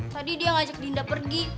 tadi dia ngajak dinda pergi